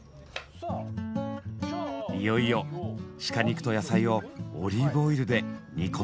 いよいよシカ肉と野菜をオリーブオイルで煮込んでいきます。